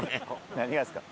何がすか？